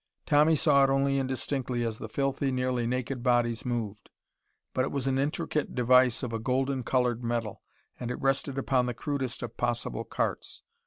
Tommy saw it only indistinctly as the filthy, nearly naked bodies moved. But it was an intricate device of a golden colored metal, and it rested upon the crudest of possible carts.